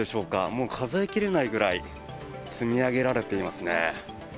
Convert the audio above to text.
もう数え切れないぐらい積み上げられていますね。